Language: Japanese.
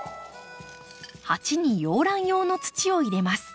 鉢に洋ラン用の土を入れます。